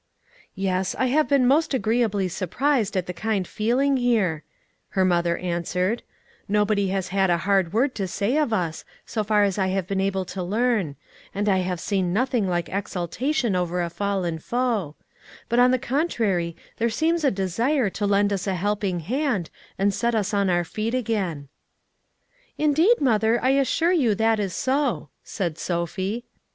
'" "Yes, I have been most agreeably surprised at the kind feeling here," her mother answered; "nobody has had a hard word to say of us, so far as I have been able to learn; and I have seen nothing like exultation over a fallen foe; but on the contrary there seems a desire to lend us a helping hand and set us on our feet again." "Indeed, mother, I assure you that is so," said Sophie.